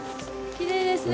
きれいですね。